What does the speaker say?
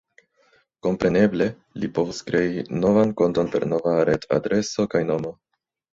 Kompreneble, li povus krei novan konton per nova retadreso kaj nomo.